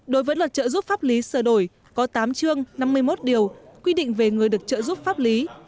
đối với luật trợ giúp pháp lý sửa đổi có tám chương năm mươi một điều quy định về người được trợ giúp pháp lý